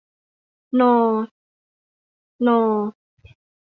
นอ ณอ